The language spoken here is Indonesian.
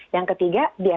yang ketiga biasa kesehatan